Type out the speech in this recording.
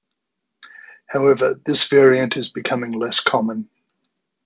However this variant is becoming less common.